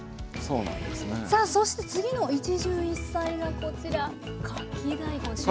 さあそして次の一汁一菜がこちらかき大根旬ですね。